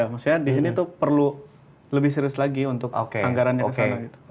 maksudnya disini tuh perlu lebih serius lagi untuk anggarannya disana gitu